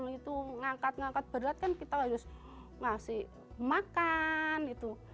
yang itu mengangkat angkat berat kan kita harus ngasih makan itu